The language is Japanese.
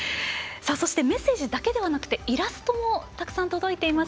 メッセージだけではなくてイラストもたくさん届いています。